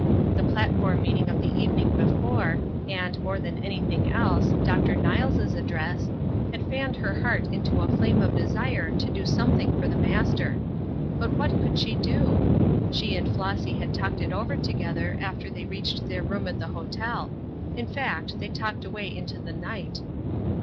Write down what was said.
The platform meeting of the evening before, and, more than anything else, Dr. Niles' address, had fanned her heart into a flame of desire to do something for the Master. But what could she do? She and Flossy had talked it over together after they reached their room at the hotel; in fact they talked away into the night.